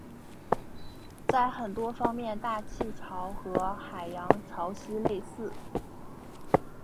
在很多方面大气潮和海洋潮汐类似。